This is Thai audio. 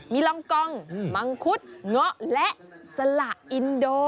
มีรองกองมังคุดเงาะและสละอินโด